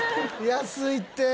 安いって！